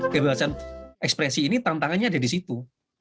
kebebasan ekspresi ini tantangannya ada di situ